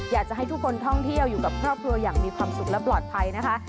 อยากจะให้ทุกคนท่องเที่ยวอยู่กับครอบครัวอย่างมีความสุขและปลอดภัยนะคะ